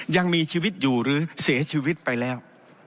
ยังมีชีวิตอยู่หรือเสียชีวิตไปแล้ว